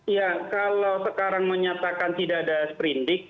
ya kalau sekarang menyatakan tidak ada sprindik